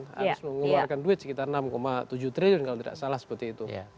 harus mengeluarkan duit sekitar enam tujuh triliun kalau tidak salah seperti itu